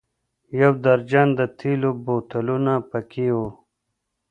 یو درجن د تېلو بوتلونه په کې و.